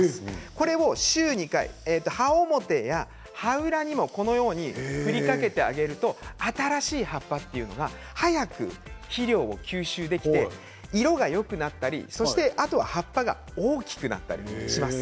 これも週に２回葉表や葉裏にもふりかけると新しい葉っぱが肥料を早く吸収できて色がよくなったりあとは葉っぱが大きくなったりします。